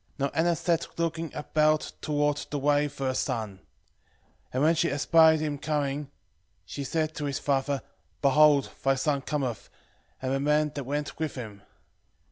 11:5 Now Anna sat looking about toward the way for her son. 11:6 And when she espied him coming, she said to his father, Behold, thy son cometh, and the man that went with him.